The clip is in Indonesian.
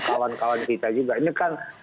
kawan kawan kita juga ini kan